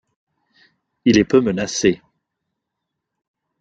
Il est peu menacé.